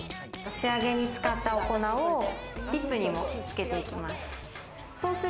仕上げに使ったお粉をリップにもつけていきます。